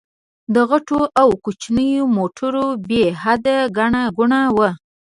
د غټو او کوچنيو موټرو بې حده ګڼه ګوڼه وه.